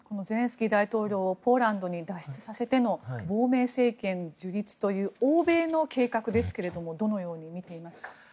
ゼレンスキー大統領をポーランドに脱出させての亡命政権樹立という欧米の計画ですがどのように見ていますか。